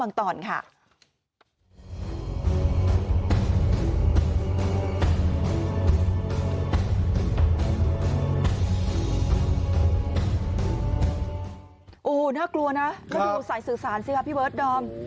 โอ้โหน่ากลัวนะแล้วดูสายสื่อสารสิครับพี่เบิร์ดดอม